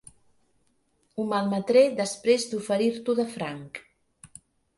Ho malmetré després d'oferir-t'ho de franc.